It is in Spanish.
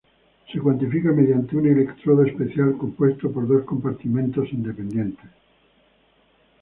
Se cuantifica mediante un electrodo especial compuesto por dos compartimientos independientes.